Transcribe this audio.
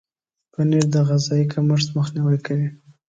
پنېر د غذایي کمښت مخنیوی کوي.